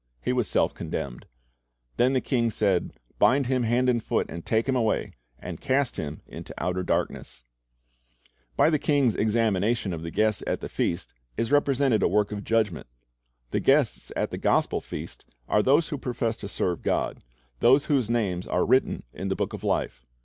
He was self condemned. Then the king said. "Bind him hand and foot, and take him away, and cast him into outer darkness." 3IO Christ's Object Lessons By the king's examination of the guests at the feast is represented a work of judgment. The guests at the gospel feast are those who profess to serve God, those whose names are written in the book of life.